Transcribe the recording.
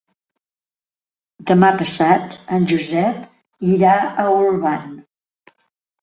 Demà passat en Josep irà a Olvan.